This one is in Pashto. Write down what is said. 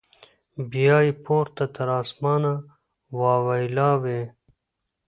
بیا یې پورته تر اسمانه واویلا وي